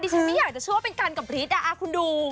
ฉันไม่อยากจะเชื่อว่าเป็นกันกับฤทธิคุณดู